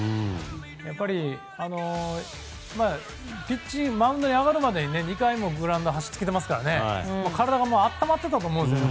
やっぱりマウンドに上がるまでも２回もグラウンドに足をつけていますから体は温まっていたと思うんですね